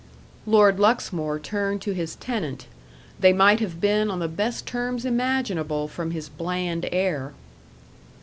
Lord Luxmore turned to his tenant they might have been on the best terms imaginable from his bland air.